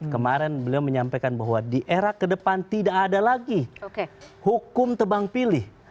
kemarin beliau menyampaikan bahwa di era ke depan tidak ada lagi hukum tebang pilih